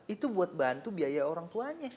itu buat bantu biaya orang tuanya